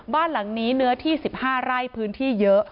บ้านหลังนี้เนื้อที่๑๕ไร่พื้นที่เยอะ